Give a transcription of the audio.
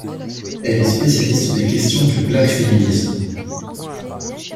Elle est spécialiste des questions du Black feminism.